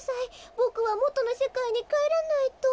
ボクはもとのせかいにかえらないと。